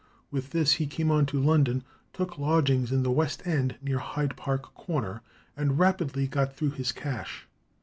With this he came on to London, took lodgings in the West End, near Hyde Park corner, and rapidly got through his cash.